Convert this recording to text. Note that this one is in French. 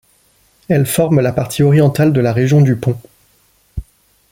Elle forme la partie orientale de la région du Pont.